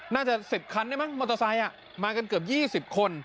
น่าจะสิบคันได้มั้งมอเตอร์ไซน์อ่ะมากันเกือบยี่สิบคน